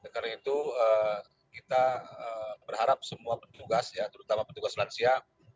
karena itu kita berharap semua petugas terutama petugas lansia